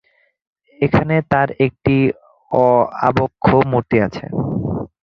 এখানে তার একটি আবক্ষ মূর্তি আছে।